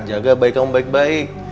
jaga baik baik kamu baik baik